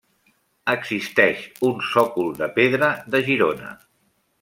Existeix un sòcol de pedra de Girona.